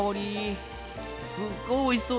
すっごいおいしそうな匂いが。